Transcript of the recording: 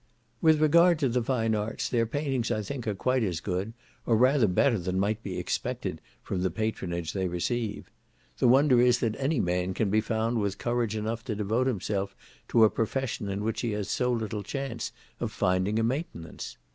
With regard to the fine arts, their paintings, I think, are quite as good, or rather better, than might be expected from the patronage they receive; the wonder is that any man can be found with courage enough to devote himself to a profession in which he has so little chance of finding a maintenance.